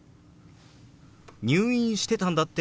「入院してたんだって？